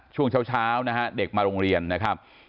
ช่วงเช้านะฮะเด็กมาโรงเรียนนะครับ